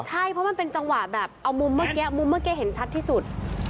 ใช่เพราะมันเป็นจังหวะแบบเอามุมเมื่อกี้มุมเมื่อกี้เห็นชัดที่สุด